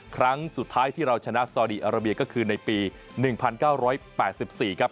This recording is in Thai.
ครั้งสุดท้ายที่เราชนะซอดีอาราเบียก็คือในปี๑๙๘๔ครับ